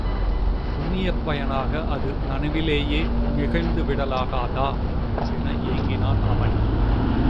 புண்ணியப் பயனாக அது நனவிலேயே நிகழ்ந்துவிடலாகாதா? என ஏங்கினான் அவன்.